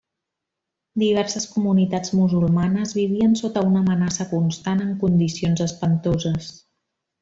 Diverses comunitats musulmanes vivien sota una amenaça constant en condicions espantoses.